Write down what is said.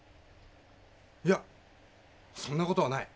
いやそんな事はない。